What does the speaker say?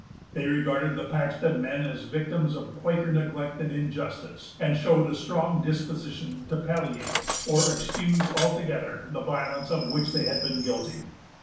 They regarded the Paxton men as victims of Quaker neglect and injustice, and showed a strong disposition to palliate, or excuse altogether, the violence of which they had been guilty.